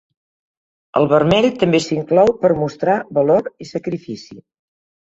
El vermell també s'inclou per mostrar valor i sacrifici.